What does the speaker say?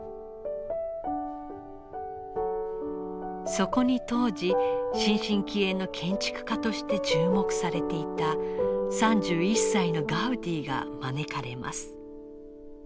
そこに当時新進気鋭の建築家として注目されていた３１歳のガウディが招かれます。